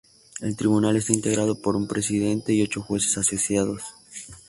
El Tribunal está integrado por un Presidente y ocho jueces asociados.